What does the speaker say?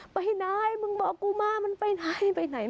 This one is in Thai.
ไปไหนมึงบอกกูมามึงไปไหนไปไหน